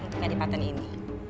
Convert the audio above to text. untuk adipaten ini